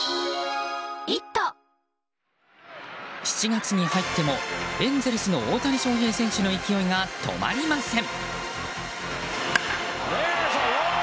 ７月に入ってもエンゼルスの大谷翔平選手の勢いが止まりません。